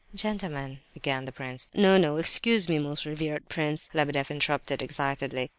"Gentlemen—" began the prince. "No, no, excuse me, most revered prince," Lebedeff interrupted, excitedly.